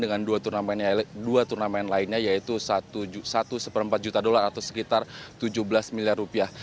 dengan dua turnamen lainnya yaitu satu empat juta dolar atau sekitar tujuh belas miliar rupiah